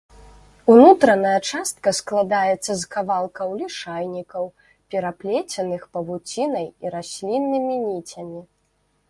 Унутраная частка складаецца з кавалкаў лішайнікаў, пераплеценых павуцінай і расліннымі ніцямі.